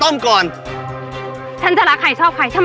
ไม่ไม่จริง